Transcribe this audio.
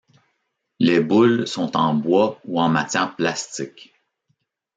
Les boules sont en bois ou en matière plastique.